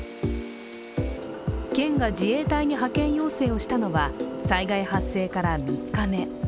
県が自衛隊に派遣要請をしたのは災害発生から３日目。